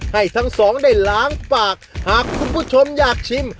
ให้ทั้งสองได้ล้างปากหากคุณผู้ชมอยากชิม